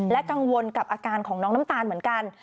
กังวลกับอาการของน้องน้ำตาลเหมือนกัน